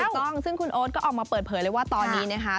ถูกต้องซึ่งคุณโอ๊ตก็ออกมาเปิดเผยเลยว่าตอนนี้นะคะ